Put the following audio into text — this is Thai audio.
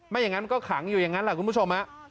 อย่างนั้นก็ขังอยู่อย่างนั้นแหละคุณผู้ชม